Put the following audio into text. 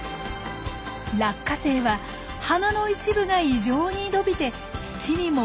ラッカセイは花の一部が異常に伸びて土に潜っていたんです。